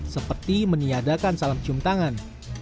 seperti meniadakan salam cium tangan